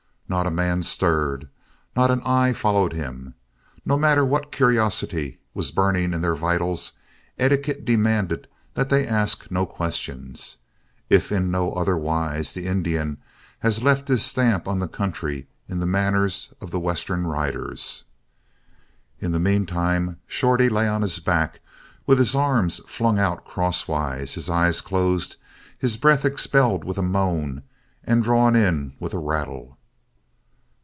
Not a man stirred. Not an eye followed him. No matter what curiosity was burning in their vitals, etiquette demanded that they ask no questions. If in no other wise, the Indian has left his stamp on the country in the manners of the Western riders. In the meantime, Shorty lay on his back with his arms flung out crosswise, his eyes closed, his breath expelled with a moan and drawn in with a rattle.